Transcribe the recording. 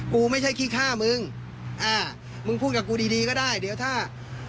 กูไม่ใช่ขี้ฆ่ามึงอ่ามึงพูดกับกูดีดีก็ได้เดี๋ยวถ้า